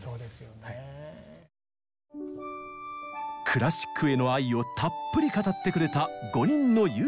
クラシックへの愛をたっぷり語ってくれた５人のＹｏｕＴｕｂｅｒたち。